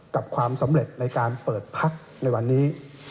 กับความสำเร็จในการเปิดพักในวันนี้